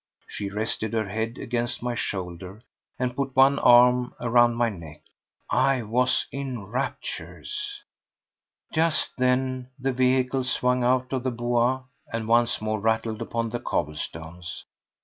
She rested her head against my shoulder and put one arm around my neck. I was in raptures. Just then the vehicle swung out of the Bois and once more rattled upon the cobblestones.